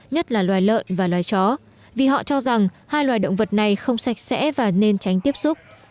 nhất là loài lợn và loài chó vì họ cho rằng hai loài động vật này không sạch sẽ và nên tránh tiếp xúc